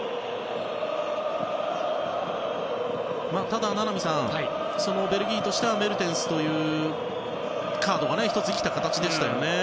ただ名波さん、ベルギーとしてはメルテンスというカードが１つ生きた形でしたね。